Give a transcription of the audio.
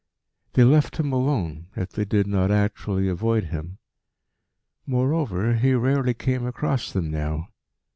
They left him alone, if they did not actually avoid him. Moreover, he rarely came across them now.